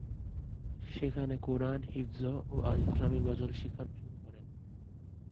সেখানে কুরআন, হিফজ ও ইসলামী গজল শেখানো শুরু করেন।